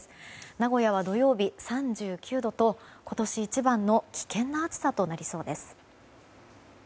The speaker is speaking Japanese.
名古屋は土曜日３９度と今年一番の危険な暑さとなりそうです。